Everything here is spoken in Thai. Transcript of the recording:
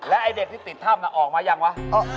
ไอ้เด็กที่ติดถ้ำออกมายังวะ